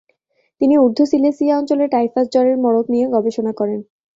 তিনি ঊর্ধ্ব সিলেসিয়া অঞ্চলে টাইফাস জ্বরের মড়ক নিয়ে গবেষণা করেন।